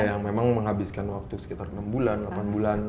yang memang menghabiskan waktu sekitar enam bulan delapan bulan